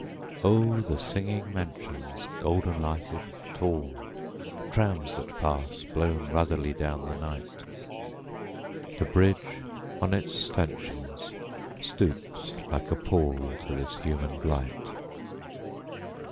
Oh, the singing mansions, Golden lighted tallTrams that pass, blown ruddily down the night! The bridge on its stanchionsStoops like a pallTo this human blight.